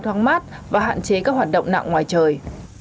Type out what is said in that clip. thoáng mát và hạn chế các hoạt động nặng ngoài trời